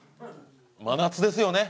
真夏ですよね！